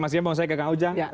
masihnya saya ke kang ujang